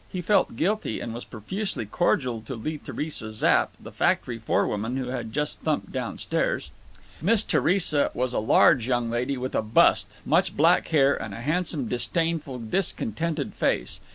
He felt guilty, and was profusely cordial to Lee Theresa Zapp, the factory forewoman, who had just thumped down stairs. Miss Theresa was a large young lady with a bust, much black hair, and a handsome disdainful discontented face.